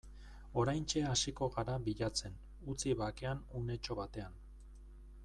Oraintxe hasiko gara bilatzen, utzi bakean unetxo batean.